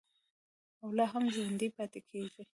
او لا هم ژوندی پاتې کیږي.